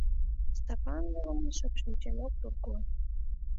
Стапан Йыван шып шинчен ок турко.